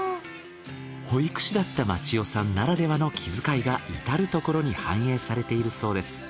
保育士だったまち代さんならではの気遣いがいたるところに反映されているそうです。